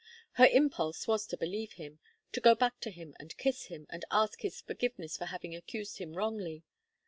Her impulse was to believe him, to go back to him, and kiss him, and ask his forgiveness for having accused him wrongly.